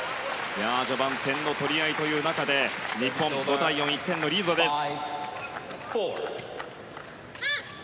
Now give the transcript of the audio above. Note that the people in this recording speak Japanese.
序盤、点の取り合いという中で日本、５対４１点のリードです。